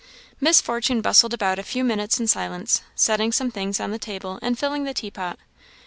Miss Fortune bustled about a few minutes in silence, setting some things on the table, and filling the tea pot.